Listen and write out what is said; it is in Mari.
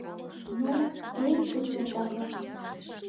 Ну, пере четвертаклан!